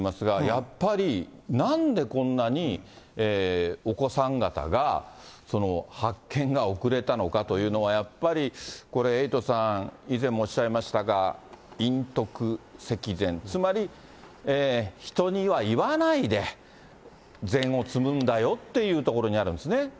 やっぱり、なんでこんなにお子さん方が、発見が遅れたのかというのは、やっぱり、これ、エイトさん、以前もおっしゃいましたが、陰徳積善、つまり、人には言わないで善を積むんだよというところにあるんですね。